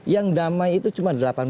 yang damai itu cuma delapan belas